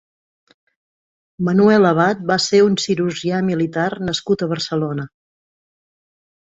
Manuel Abat va ser un cirurgià militar nascut a Barcelona.